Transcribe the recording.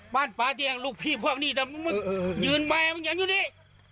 บ้านป่าเตียงลูกพี่พวกนี้มึงมึงยืนแม่มึงยังอยู่นี้